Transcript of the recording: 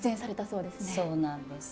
そうなんどす。